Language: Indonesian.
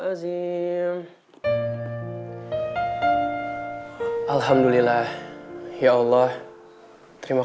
dan dia nggak bakal mandang sebelah mata seorang gulandari lagi